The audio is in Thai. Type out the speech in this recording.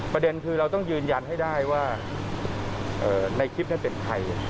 ประเด็นคือเราต้องยืนยันให้ได้ว่าในคลิปนั้นเป็นใคร